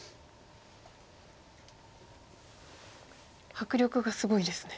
迫力がすごいですね。